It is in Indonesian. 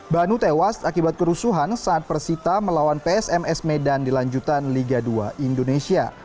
banu tewas akibat kerusuhan saat persita melawan psms medan di lanjutan liga dua indonesia